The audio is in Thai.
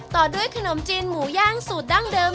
ต่อด้วยขนมจีนหมูย่างสูตรดั้งเดิม